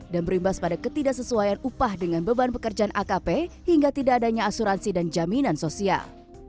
dan berimbas pada ketidaksesuaian upah dengan beban pekerjaan akp hingga tidak adanya asuransi dan jaminan sosial